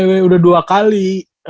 cewek udah dua kali